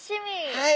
はい！